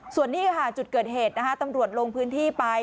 ส่วนนี้ค่ะจุดเกิดเหตุนะคะตำรวจลงพื้นที่ไป